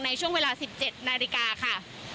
ในช่วงเวลา๑๗นาฬิกาค่ะ